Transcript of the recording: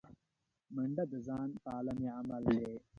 منډه د ځان پالنې عمل دی